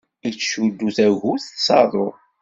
Ittcuddu tagut s aḍu.